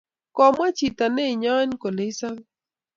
Kagomwa chito neiyoin kole isobe